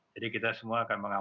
jadi kita semua akan